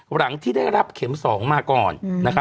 หลังที่ได้รับเข็ม๒มาก่อน